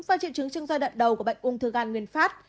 và triệu chứng trưng doi đoạn đầu của bệnh ung thư gan nguyên phát